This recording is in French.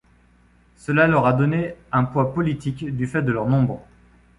Cela leur a donné un poids politique du fait de leur nombre.